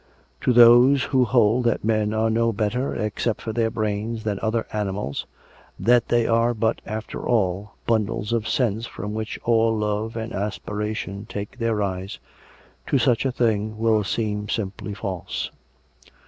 To those who hold that men are no better, except for their brains, than other animals; that they are but, after all, bundles of sense from which all love and aspiration take their rise — to such the thing will seem simply false.